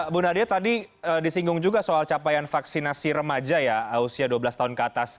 bu nadia tadi disinggung juga soal capaian vaksinasi remaja ya usia dua belas tahun ke atas